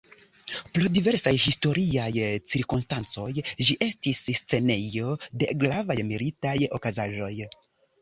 Pro diversaj historiaj cirkonstancoj ĝi estis scenejo de gravaj militaj okazaĵoj.